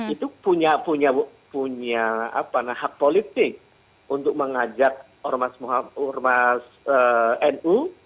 itu punya hak politik untuk mengajak ormas nu